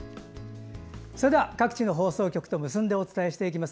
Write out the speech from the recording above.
それでは各地の放送局と結んでお伝えしていきます。